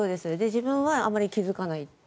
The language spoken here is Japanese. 自分はあまり気付かない。